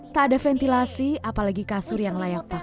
tak ada ventilasi apalagi kasur yang layak pakai